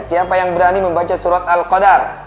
siapa yang berani membaca surat alquran